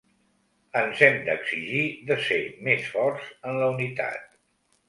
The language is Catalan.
Ens hem d’exigir de ser més forts en la unitat.